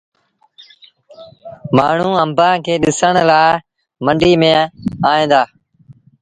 مآڻهوٚٚݩ آݩبآݩ کي ڏسڻ لآ منڊيٚ ميݩ ائيٚݩ دآ۔